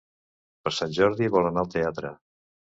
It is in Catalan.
Per Sant Jordi vol anar al teatre.